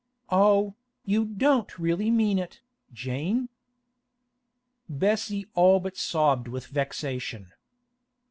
'Oh, you don't really mean it, Jane?' Bessie all but sobbed with vexation.